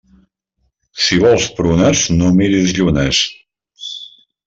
Si vols prunes, no mires llunes.